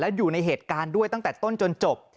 อยู่ในเหตุการณ์ด้วยตั้งแต่ต้นจนจบ